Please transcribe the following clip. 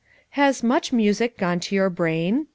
"Has 'much music' gone to your brain?"